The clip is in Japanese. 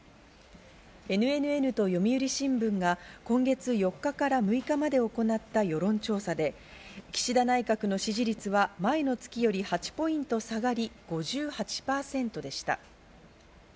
ＮＮＮと読売新聞が今月４日から６日まで行った世論調査で、岸田内閣の支持率は前の月より８ポイント下がり、５８％でした。